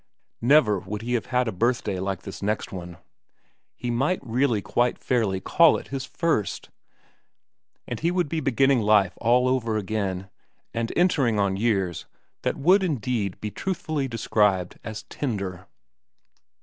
Never would he have had a birthday like this next one. He might really quite fairly call it his First, for he would be beginning life all over again, and entering on years that would indeed be truthfully described as tender.